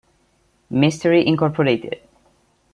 Mystery Incorporated".